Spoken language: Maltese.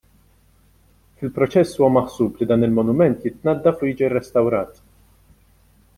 Fil-proċess huwa maħsub li dan il-monument jitnaddaf u jiġi rrestawrat.